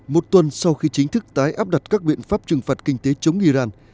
một tuần sau khi chính thức tái áp đặt các biện pháp trừng phạt kinh tế chống iran